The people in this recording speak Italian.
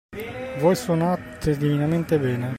Voi suonate divinamente bene.